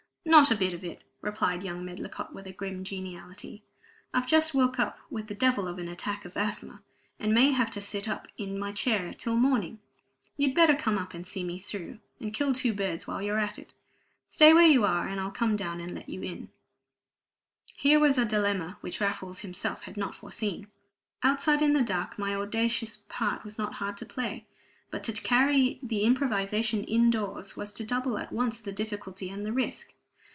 "Not a bit of it," replied young Medlicott, with a grim geniality. "I've just woke up with the devil of an attack of asthma, and may have to sit up in my chair till morning. You'd better come up and see me through, and kill two birds while you're about it. Stay where you are, and I'll come down and let you in." Here was a dilemma which Raffles himself had not foreseen! Outside, in the dark, my audacious part was not hard to play; but to carry the improvisation in doors was to double at once the difficulty and the risk.